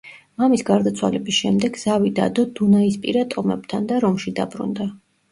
მამის გარდაცვალების შემდეგ ზავი დადო დუნაისპირა ტომებთან და რომში დაბრუნდა.